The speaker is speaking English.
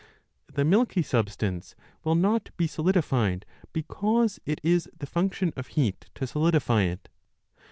The milky substance will not be solidified, because it is the function of heat to solidify it.